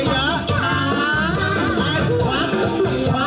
เยอะเยอะแอ๊ะเยี่ยม